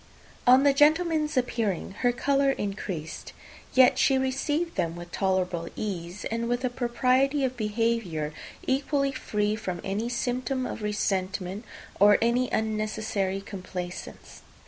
On the gentlemen's appearing, her colour increased; yet she received them with tolerable ease, and with a propriety of behaviour equally free from any symptom of resentment, or any unnecessary complaisance.